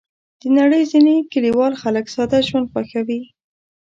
د نړۍ ځینې کلیوال خلک ساده ژوند خوښوي.